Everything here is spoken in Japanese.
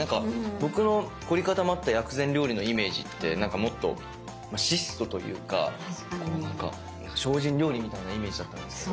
僕の凝り固まった薬膳料理のイメージってもっと質素というか精進料理みたいなイメージだったんですけど。